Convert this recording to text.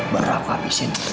baru aku habisin